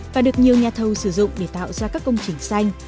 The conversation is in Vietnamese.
và được nhiều nhà thầu sử dụng để tạo ra các công trình xanh